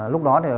lúc đó thì